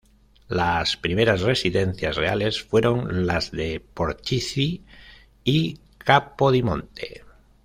Las primeras residencias reales fueron las de Portici y Capodimonte.